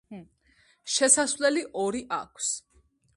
შესასვლელი ორი აქვს.